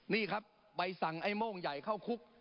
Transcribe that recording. นี่ครับใบสั่งไอ้โม่งใหญ่เข้าคุก